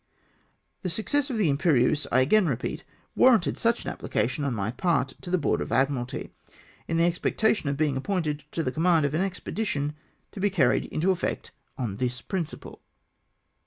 The success of the Imverieuse^ I again repeat, warranted such an application on my part to the Board of Admiralty, in the expectation of being appointed to the command of an expedition to be carried into effect on this principle.